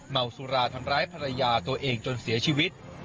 เมาสุราทำร้ายภรรยาตัวเองจนเสียชีวิต